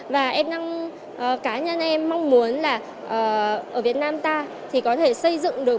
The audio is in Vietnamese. và cá nhân em mong muốn là ở việt nam ta thì có thể xây dựng được